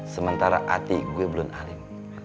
sementara hati gua belom alim